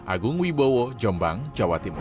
agung wibowo jombang jawa timur